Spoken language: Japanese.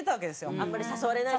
あんまり誘われない。